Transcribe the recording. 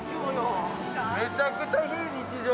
めちゃくちゃ非日常。